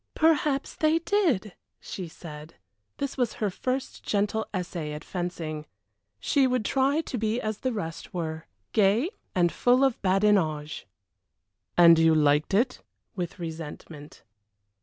"Perhaps they did!" she said. This was her first gentle essay at fencing. She would try to be as the rest were, gay and full of badinage. "And you liked it?" with resentment.